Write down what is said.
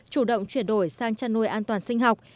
chủ động chuyển đổi sang chăn nuôi an toàn sinh học